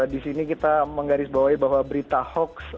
di sini kita menggaris bawahi bahwa berita hoax